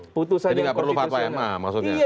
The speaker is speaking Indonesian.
ini tidak perlu fatwa emang maksudnya